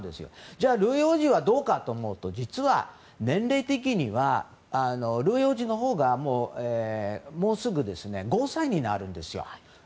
じゃあルイ王子はどうかというと実は年齢的にはルイ王子のほうがもうすぐ５歳になるんです。